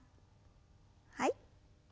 はい。